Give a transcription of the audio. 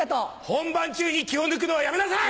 本番中に気を抜くのはやめなさい！